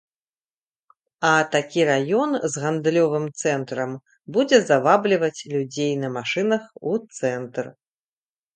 А такі раён з гандлёвым цэнтрам будзе завабліваць людзей на машынах у цэнтр.